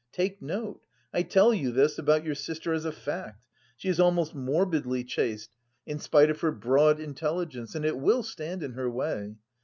Take note, I tell you this about your sister as a fact. She is almost morbidly chaste, in spite of her broad intelligence, and it will stand in her way.